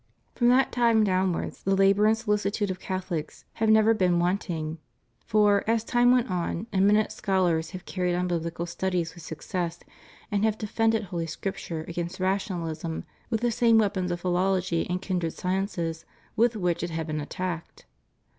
From that time downwards THE STUDY OP HOLY SCRIPTURE. 281 the labor and solicitude of Catholics have never been wanting; for, as time went on, eminent scholars have carried on bibUcal studies with success, and have defended Holy Scripture against rationalism with the same weapons of philology and kindred sciences with which it had been attacked.